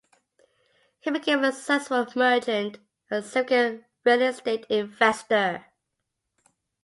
He became a successful merchant and a significant real-estate investor.